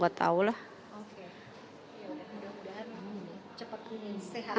oke udah udahan cepet ini